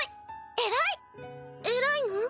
偉いの？